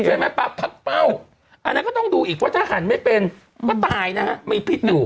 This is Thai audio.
ใช่ไหมปลาพัดเป้าอันนั้นก็ต้องดูอีกว่าถ้าหันไม่เป็นก็ตายนะฮะมีพิษอยู่